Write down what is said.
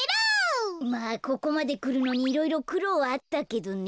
まあここまでくるのにいろいろくろうはあったけどね。